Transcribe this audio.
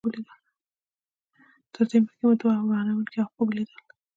تر دې مخکې مو دوه ورانوونکي عواقب ولیدل.